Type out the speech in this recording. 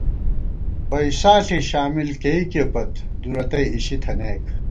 پَئیسا ݪی شامل کېئیکےپت، دُورتئ اِشی تھنَئیک